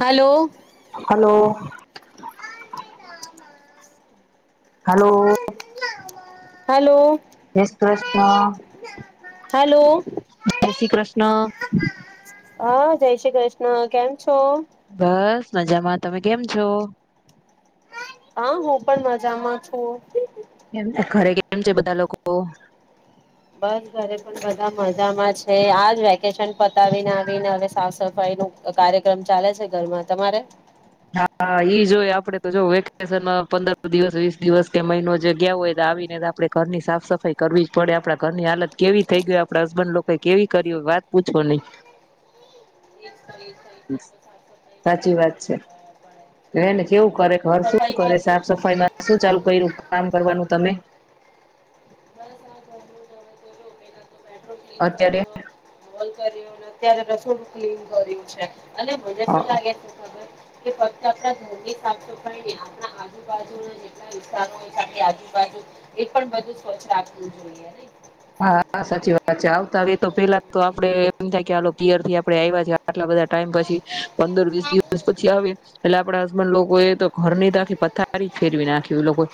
Hello. Hello. [inaudible] Hello. Hello. જશ Krishna. Hello. જય શ્રી કૃષ્ણ. હા, જય શ્રી કૃષ્ણ કેમ છો? બસ મજામાં, તમે કેમ છો? હા, હું પણ મજામાં છું. ઘરે કેમ છે બધા લોકો? બસ ઘરે પણ બધા મજામાં છે, આજ વેકેશન પતાવી ને આવીને હવે સાફ સફાઈ નુ કાર્યક્રમ ચાલે છે ઘરમાં, તમારે? હા, ઈજ હોય આપડે તો જો વેકેશન પંદર દિવસ વીસ દિવસ કે મહિનો જે ગયા હોય તે આવીને આપડે ઘરની સાફ સફાઈ કરવી જ પડે, આપડા ઘરની હાલત કેવી થઈ ગઈ હો આપડા હસબન્ડ લોકો કેવી કરી હોય વાત પૂછો નઈ. સાચી વાત છે. મેનેજ એવું કરે ઘર શું સફાઈ કરે કરીએ સાફ સફાઈ મા શું ચાલુ કઈરુ કામ કરવાનું તમે બસ આ જમ્યું ને હવે કર્યો પેલા તો બેડરૂમ ક્લીન અત્યારે? કર્યો હોલ કર્યો અત્યારે રસોડું ક્લીન કર્યું છે. અને મજા શું લાગે છે ખબર છે કે ફક્ આપડા ધરની આપ આજુબાજુના જે વિસ્તાર આજુબાજુ એ પણ બધું સ્વચછ રાખવું જોઈએને હા સાચી વાત છે, આવતા વે તો પેલા તો આપડે એમ થાય કે પિયરથી આપડે આવ્યા છીએ આટલા બધા ટાઈમ પછી, પંદર વીસ દિવસ પછી આવે એટલે આપડા હસબન્ડ લોકો એ તો ઘરની તો આખી પથારી જ ફેરવી નાખ્યું એ લોકોએ,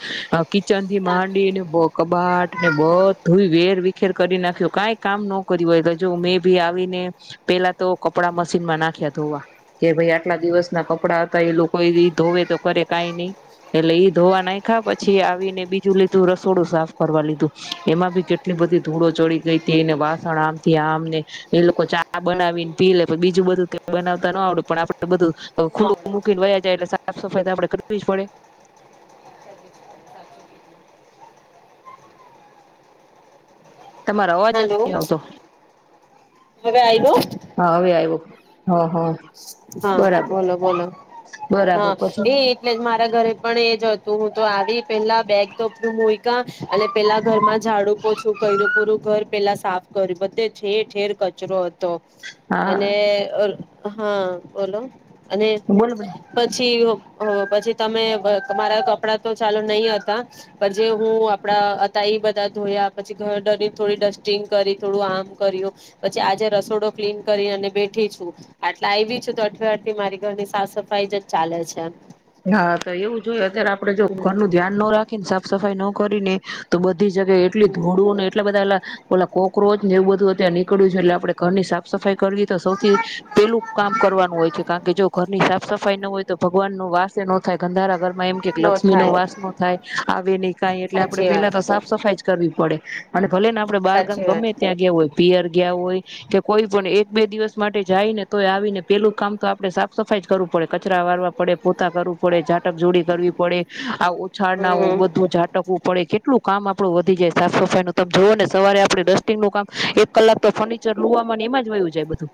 કિચન થી હા. હમ. માંડીને બ કબાટ ને બદુઈ. વેર વિખેર કરી નાખ્યો, કઈ કામ ન કર્યું હોય તો જો મેં ભી આવીને પેલા તો કપડા મશીનમાં નાખ્યા ધોવા, કે ભાઈ આટલા દિવસ ના કપડા હતા એ લોકો ધોવે તો કરે કઈ નહી, એટલે ઈ ધોવા નાઈખા, પછી આવીને બીજું લીધું રસોડું સાફ કરવા લીધું, એમાં ભી કે એટલી બધી ધૂળો ચડી ગઈ હતી એને બાસણ આમથી આમને એ લોકો ચા બનાવીને પી લે બીજું બધું કઈ બનાવતા ન આવડે પણ આપડે બધું ન ખુલ્લું આવડે. મૂકીને વયા જાય એટલે સાફ સફાઈ તો આપડે કરવી જ પડે. સાચું કીધું. તમારો અવાજ હલો નથી આવતો. હવે આઈવો? હા હવે આવ્યો હ હ. હ બરાબર બોલો બોલો બરાબર હ પછી એ એટલે જ મારા ઘરે પણ એજ હતું, હું તો આવી પેલા બેગ તો મુઈકા અને પેલા ઘરમાં ઝાડું પોછું કઇરુ પૂરું ઘર પેલા સાફ કર્યું બધ ઠેર ઠેર કચરો હતો. તો, હા અને હ. બોલો. અને બોલો પછી અ પછી તમે અ તમારા કપડાં તો ચાલો નહી હતા પણ જે હું આપડા હતા એ બધા ધોયા પછી ઘર ડરી થોડી ડસ્ટિંગ કરી, થોડું આમ કર્યું પછી આજે રસોડો ક્લીન કરી અને બેઠી છું, આટલે આઇવી છું તા [unintelligible] મારી ઘરની સાફ સફાઈ જ ચાલે છે. હા, તો એવું જોઈય અત્યારે આપડે જો હમ ઘરનું ધ્યાન નો રાખી ન સાફ સફાઈ નો કરીને તો બધ બધી જગાએ એટલી ધૂળોને એટલા બધા ઓલા ઓલા કોકરોચને એવું બધું અત્યાર નીકળ્યું છે એટલે આપડે ઘરની સાફ સફાઈ કરવી તો સૌથી પેલું કામ કરવાનું હોય છે. કારણ કે જો ઘરની સાફ સફાઈ ન હોય તો ભગવાનનો વાસ નો થાય. ગંધારા ઘરમાં એમ કે લક્ષ્મી નો વાસ નો થાય, આવે નહીં કાંઈ એટલે આપડે સાચી પેલા વાત તો સાફ સફાઈ જ કરવી પડે. અને ભલે ને આપડે બાર ગામ સાચી વાત ગમે ત્યાં ગ્યા હોય પિયર ગ્યા હોય કે કોઈ પણ એક બે દિવસ માટે જાય ને તોય આવીને પેલું કામ તો આપણે સાફ સફાઈ જ કરવું પડે કચરા વારવા પડે પો તા કરું પડે ટક જોડી કરવી પડે આ ઓછાળના અઅ હમ બધું ઝાટકવું પડે કેટ કેટલું કામ આપડું વધી જાય સાફ સફાઈનું તમ જોવો ને સવારે આપડે ડસ્ટિંગનું કામ એક કલાક તો ફર્નિચર લુવામાં એમાં જ હોયું જાય બધું.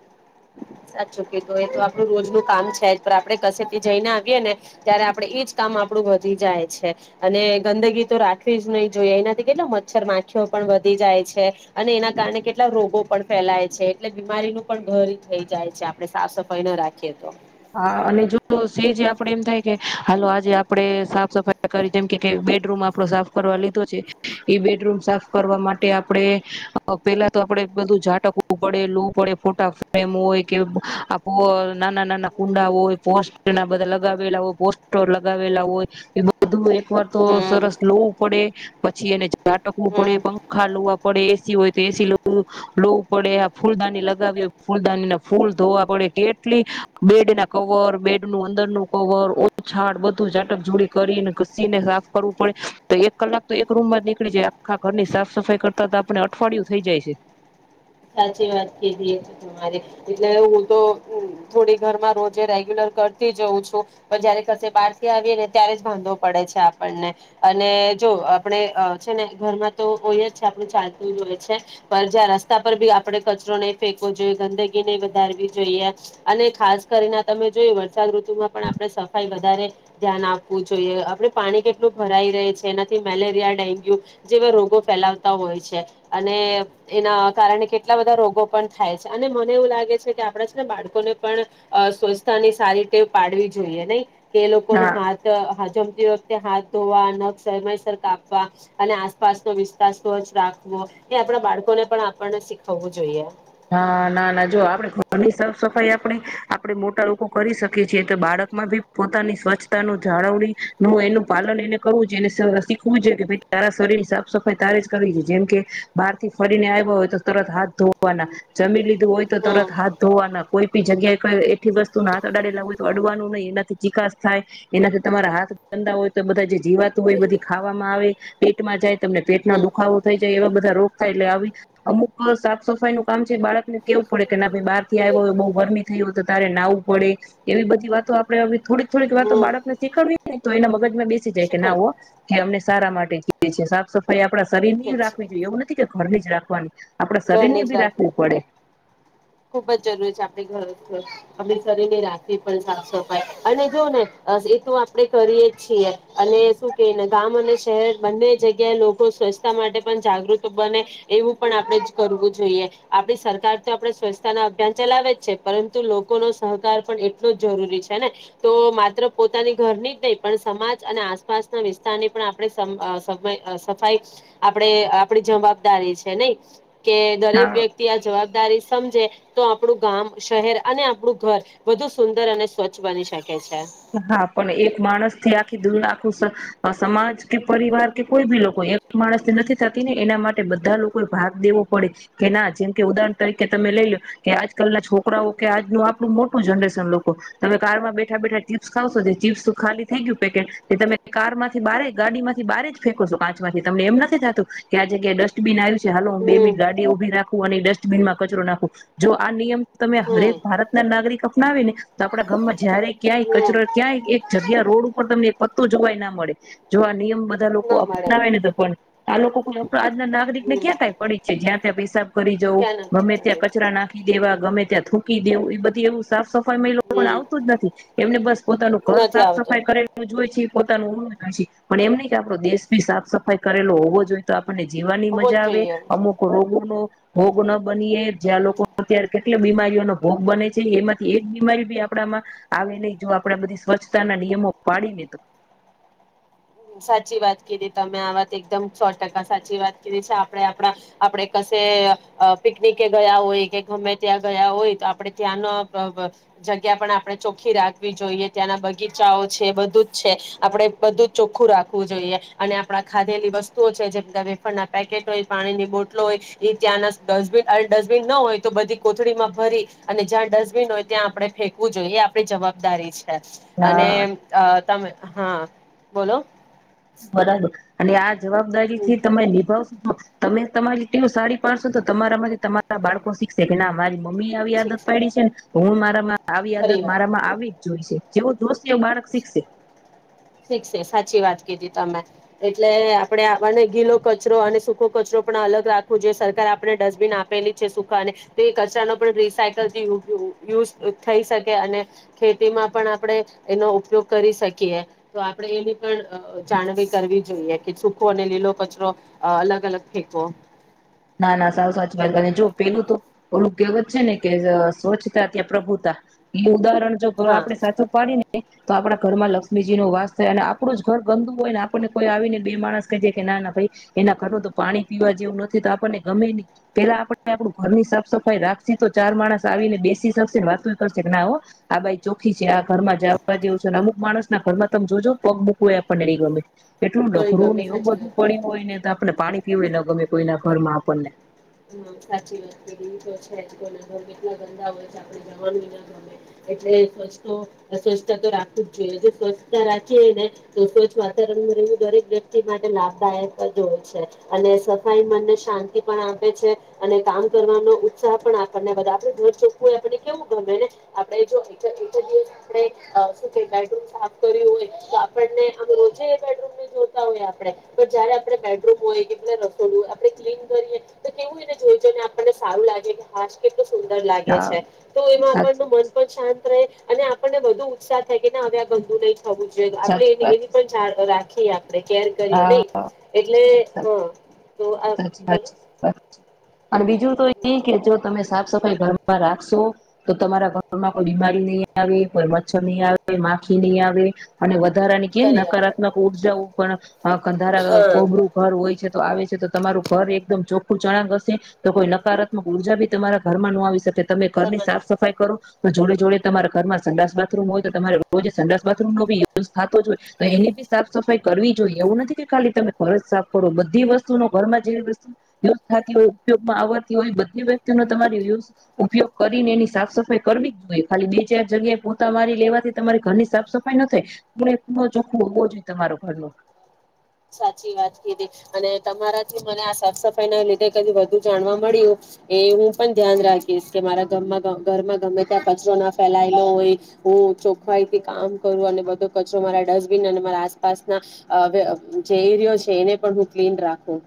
સાચું કીધું એ તો આપડું રોજનું કામ છે જ પણ આપડે કશેથી જઈને આવીએે ને ત્યારે આપડે એ જ કામ આપડું વધી જાય છે અને ગંદગી તો રાખવી જ નહીં જોઈએ એનાથી કેટલા મચ્છર માખીઓ પણ વધી જાય છે અને એના કારણે કેટલા રોગો પણ ફેલાય છે એટલે બીમારીનું પણ ઘર થઈ જાય છે આપડે સાફ સફાઈ ન રાખીએ તો. હા, અને જો સેજ આપડે એમ થાય કે હાલો આજે આપડે સાપ સફાઈ કરી જેમ કે કેય બે રૂમ આપડો સાફ કરવા લીધો છે એ બેડરૂમ સાફ કરવા માટે આપડે પેલા તો આપડે બધું ઝાટકવું પડે લુવું પડે ફોટાફ્રેમ હોય કે આપ નાના નાના કુંડા હોય, પોસ્ટ ના બધા લગાવેલા હોય, પોસ્ટર લગાવેલા હોય એ બધું વાર તો હમ સરસ લુવું પડે. પછી એને. ઝાટકવું હમ પડે, પંખા લુવા પડે એસી હોય તો એસી લુવું લુવું પડે, આ ફૂલદાની લગાવી હોય ફૂલદાનીના ફૂલ ધોવા પડે કેટલી બેડના કવર, બેડ નું અંદરનું કવર, ઓછાડ બધું ઝાટક જોડી કરીને ઘસીને સાફ કરવું પડે. તો એક કલાક તો એક રૂમમાં જ નીકળી જાય આખા ઘરની સાફ સફાઈ કરતા તો આપણે અઠવાડિયું થઈ જાય છે. સાચી વાત કીધી તમારી. એટલે હું તો થોડી ઘરમાં રોજે રેગ્યુલર કરતી જઉં છું પણ જયારે કશે બહાર થી આવીએ ને ત્યારે જ બાંધો પડે છે આપણને અને જો આપણે છે ને ઘરમાં તો હોય જ છે આપણું ચાલતું જ હોય છે પણ જ રસ સ્તા પરી બી આપણે કચરો નહી ફેંકવો જોઈએ, ગંદગી નહીં વધારવી જોઈએ અને ખાસ કરીને તમે જોઈ વરસાદ ઋતુમાં પણ આપણે સફાઈ વધારે ધ્યાન આપવું જોઈએ આપણે પાણી કેટલું ભરાઈ રેય છે એનાથી મેલેરિયા, ડેન્ગ્યુ જેવા રોગો ફેલાવતા હોય છે અને એના કારણ કેટલા બધા રોગો પણ થાય છે અને મને એવું લાગે છે કે આપણેે છે ને બાળકોને પણ અઅ સ્વચ્છતાની સારી ટેવ પાડવી જોઈએ નહીં? કે લોકો ને હા હાથ હજમ વખતે હાથ ધોવા નખ સસર કાપવા અને આસપાસનો વિસ્તાર સ્વચ્છ રાખવો એ આપણા બાળકોને પણ આ પણ શીખવવું જોઈએ. હા, ના ના જો આપડે ઘરની સાફ સફાઈ આપણે આપડે મોટા લોકો કરી શકીએ છીએ તો બાળકમાં ભી પોતાની સ્વચ્છતાનું જાળવણીનું એનું પાલન એને કરવું જોઈએ ને શીખવું જોઈએ કે તારા શરીર સાફ સફાઈ તારે જ કરવી જોઈ જેમ કે બહારથી ફરીને આવ્યા હોય તો તરત હાથ ધો ના જમી લીધ હોય તો હમ તરત હાથ ધોવાના કોઈ જગ્યાએ કઈ એઠી વસ્તુના હાથ અડાડેલા હોય તો અડવાનું નહીં. એનાથી ચિકાસ થાય, એનાથી તમારા હાથ ધા હોય તો બધા જે જીવાતું હોય બધી ખાવામાં આવે પેટમાં જાય. તમને પેટના હમ દુખાવો થઈ જાય એવા બધા રો થાય એટલે આવી અમુક સાત સફાઈનું કામ છે એ બાળકને કેવું પડે કે ના ભાઈ બારથી આવ્યા હોય બઉ ગરમી થઈ હોય તો તારે નાવું પડે. એવી બધી વાતો આપડે હવે થોડીક થોડીક વાતો હમ બાળકને શીખડવી ને તો એના મગજમાં બે સી જાય કે શીખ ના હો કે અમને સારા માટે જીએ છે સાફ સફાઈ આપ આપણા શરીરનીય રાખવી જોઈએ એવું નથ થી કે ઘરની જ રાખવાની ઘરની શરીરની જ ભી વાત રાખવી પડે. ખુબ જ જરૂરી છે. આપણે ઘર ઘર [inaudible] શરીરની રાખવી પણ સાફ સફાઈ અને જોવ ને એ તો આપણેે કરીએ જ છીએ અને શું કેને ગામ અને શહેર બંને જગ્યાએ લોકો સ્વચ્છતા માટે પણ જાગૃત બને એવું પણ આપણે જ કરવું જોઈએ. આપણી સરકાર તો આપણે સ્વચ ના અભિયાન ચલાવે જ છે. પરંતુ લોકોનો સહકાર પણ એટલો જ જરૂરી છે ને તો માત્ર પોતાની ઘરની જ નહી પણ સમાજ અને આસપાસના વિસ્તારની પણ આપણે સમ આ સબ સફાઈ આપણે આપણી જવાબદારી છે નહીં? કે દરેક હા વ્યક્તિ આ જવાબ દારી સમજે તો આપણું ગામ, શહેર અને આપણું ઘર વધુ સુંદર અને સ્વચ્છ બની શક હા, પણ એક માણસથી આખી દુનિયા સમાજ કે પરિવાર કે કોઈ બી લોકો એક માણસ નથી થાતી ને એના માટે બધા લોકોએ ભાગ દેવો પડે કે ના જેમ કે, ઉદાહરણ તરીકે તમે લઈ લો કે આજકાલના છોકરાઓ કે આજનું આપણું મોટું જનરેશન લોકો તમે કારમાં બેઠા બેઠા ચીપ્સ ખાવશો જે ચીપ્સ તો ખાલી થઈ ગયું પેકેટ તે તમે કારમાંથી બારે જ ગાડીમાંથી બારે જ ફેકો છો. કાચમાંથી તમને એમ નથી થતું કે આ જગ્યાએ ડસ્ટબિન આવી છે હાલો હું બે હમ મિનિટ ગાડી ઉભી રાખું અને ડસ્ટ બનમાં કચરો નાખું જો આ નિયમ તમે હમ હરેક ભારતના નાગરિક આપનાવે ને તો આપડા ગામમાં જયારે ક્યાંય હમ કચરો ક્યાંય એક જગ્યા રોડ ઉપર તમે એક પત્તુ ય જોવાય ના મળે. જો આ નિયમ બધા લોકો ના મળે અપનાવે ને તો પણ આ લોકો આજના નાગરિકને હમ ક્યાં કાંઈ પડી જ છે જ્યાં ત્યા પીસાબ કરી જવું, ક્યાં નથી ગમે પડે ત્યાં કચરા નાખી દેવા ગમે ત્યાં થૂંકી દેવું એ બધી એવું સાફ સફ માં એ લોકોને હમ આવતું જ નથી બસ પોતાનું ઘર નથી સાફ આવતું સફાઈ કરેલું જોઈ હોઈ છે પોતાનું [inaudible] હોય છે પણ એમ નઈ કે આપડો દેશ ભી સાફ સફાઈ કરેલો હોવો જોઈએ તો આ પણને જીવાનીય હોવો મજા જ આવે. જોઈએ અમુક રોગોનો હમ ભોગ ન બનીએ. જ્યાં લોકો અત્યારે કેટલી બીમારીઓનો ભોગ બને છે એમાંથી એક બીમારી બી આપડામાં આવી નઈ. જો આપણેે બધી સ્વચ્છતાના નિયમો પાડીને તો સાચી વાત કીધી. તમે આ વાત એકદમ સો ટકા સાચી વાત કીધી છે. આપણે આપડા આપડે કશે અઅ પિકનિકે ગયા હોય કે ગમે ત્યાં ગયા હોય તો આપડે ત્યાંનો અઅ જગ્યા પણ આપડે ચોખ્ખી રાખવી જોઈએ. ત્યાંના બગીચાઓ છે, બધું જ છે આપણે બધું જ ચોખ્ખું રાખવું જોઈએ અને આપડા ખાધેલી વસ્તુઓ છે જેમ કે વેફરના પેકેટ હોય, પાણીની બોટલો હોય એ ત્યાંના ડસ્ટબીન, ડસ્ટબિન ન હોય તો બધી કોથળીમાં ભરી અને જ્યાં ડસ્ટબિન હોય ત્યાં આપણે ફેંકવું જોઈએ એ આપણી જવાબદારી છે. અને હા અઅ તમે હા. બોલો. બરાબર. અને આજ. જવાબદારી હમ થી તમે નિભાવશો. તમે તમારી રીતે સારી પાડશોતો તમારામાંથી તમા બાળકો શીખશે કે ના અમારી મમ્મી આવી આદત શિક્ષક પાડડી છે ને હું મારા મા આવી આદત મારામાં આવી જ જોઈ છે. જેવું. ઠીક છે સાચી વાત. કીધી તમે એટલે આપણે આપને ગીલો કચરો અને સૂખો કચરો પણ અલગ રાખવો જો સરકારે આપણે ડસ્ટબિન આપેલી છે સુકાને તો એ કચરાનો પણ રીસાયકલ થી યુઝ થઈ શકે અને ખેતીમાં પણ આપણે. એનો ઉપયોગ કરી શકીએ તો આપણે એની પણ જાણવી કરવી જોઈએ કે સુૂખો અને લીલો કચરો અલગ-અલગ ફેકવો. ના ના સાવ સાચી વાત કરીને જો પેલું તો ઓલું કેહેવત છે ને કે સ્વચ્છતા ત્યાં પ્રભુતા એ ઉદાહરણ જો હા આપડણે સાચો પાડીને તો આપડા ઘરમાં લક્ષ્મીજી નો વાસ થાય અને આપણું જ ઘર ગંદુ હોય ને આપણને કોઈ આવી ને બે માણસ કજે કે ના ના ભાઈ એના ઘર તો પાણી પીવા જેવું નથી. તો આપણને ગમે નહી પેલા આપ આપણું ઘરની સાફ સફાઈ રાખશ તો ચાર માણસ આવીને બેસી શકશેને વાતો કરશે ના હો આ બાઈ ચોખી છે આ ઘરમાં જવા જેવું છેનેમ માણસ ના ઘરમાં તમે જોજો પગ મૂકવય એ આપણને નહિ ગમે. એટલું તો એ ડખરું ગમે ને એવું સાચી બધું વાત પડ્યું કીધી હોય ને તો આપણે પાણી એવું એ લોકો કોઈના ઘર માં આપણને હ સાચી વાત છે એ તો છેના ઘર કેટલા ગંદા હોય છે આપ જવા વિ ના ગમે એટલે સ્વ સ્વચ્છતા તો રાખું જ જોઈએ સ્વચ્છતા રાખીએ ને તો સ્વચ્છ વાતાવરણ રહેવું દરેક વ્યક્તિ માટે લાભદાયક જ હોય છે અને સફાઈ મનને શાંતિ પણ આ અને કામ કરવાનો ઉત્સાહ પણ આપણને બધા આપે ઘર ચોખ્ખું હોય આપણને કેવું ગમેને આપણે જોવ શડમ સા કર્યું હોય તો આપને રોજે બેડમ જોતા હોય આપણે પણ જયારે આપણે બેડરૂમ હોય કે રસોડું હોય આપણે ક્લીન કરીએ. તો કેવી રીતે જોઈ જોઈને આપણને સારું લાગે કે હાસ કે સુંદર લાગે હા છે તો એમાં આપણ સાચી ન મન પણ શાંત અને આપણને બધુ ઉત્સાહ થાય કેને હવે આ ગમતું [unintelligible] હી. થવું જોઈએ તો આપણે સાચી એ વાત છે એની પણ જાણ રાખ ી [unintelligible] આપણે કેર કરીએ હા નહી એટલે હા તો આ સાી બોલો [unintelligible] અને બીજું તો એ કે જો તમે સાફ સફાઈ ઘરમાં રાખશો તો તમારા ઘરમાં કોઈ બીમારી નહી આવે કોઈ મચ્છર નહી આવે માખી નહી આવે અને વધારા ની કે કરી વાત નકારાત્મક ઉર્જાઓ. કો [unintelligible] હા કંધારા હા કોબળું ઘર હોય છે. તો આવે છે તો તમારું ઘર એકદમ ચોખ્ખું ચણાક હશે. તો કોઈ નકારાત્મક ઉર્જા બી તમારા ઘરમાં ન આવી શકેત. તમે ઘરની સાફ સફાઈ કરો. તો જોડે જોડે તમારા ઘરમાં સંડાસ-બાથરૂમ હોય તો, તમારે રોજ સંડાસ-બાથરૂમ નો બી યુઝ થતો જ હોય. તો, એની બી સાફ સફાઈ કરવી જોઈએ. એવું નથી કે, ખાલી તમે ઘરજ સાફ કરો બધી વસ્તુ નો ઘરમાં જે વસ્તુ યુઝ થતી હોય ઉપયોગમાં આવતી હોય, બધી વ્યક્તિનો તમારે યુઝ ઉપયોગ કરીને એની સાફ સફાઈ કરવી જ જોઈએ. ખાલી બે ચાર જગ્યાએ પોતા મારી લેવાથી તમારી ઘરની સાફ સફાઈ ન થાય. ખૂણેખૂણો ચોખ્ખો હોવો જોઈએ તમારો ઘરનો. સાચી વાત કીધી. અને તમારાથી મને આ સાફ સફાઈ ના લીધે કંઈ વધુ જાણવા મળ્યું એ હું પણ ધ્યાન રાખીશ કે, મારા ઘરમાં ગમે ત્યાં કચરો ના ફેલાયેલો હોય, હું ચોખવાઈથી કામ કરું અને બધો કચરો મારા ડસ્ટબિન અને મારા આસપાસના જઈ રહ્યો છે, એને પણ હું ક્લીન રાખું.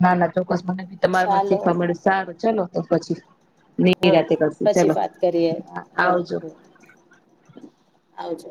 ના ના ચોક્કસ. મને ભી તમારામાંથી ચાલો શીખવા મળે. સારું ચલો તો પછી હા નિરાતે કરશું. પછી ચલો. વાત કરીએ હા આવજો. આવજો.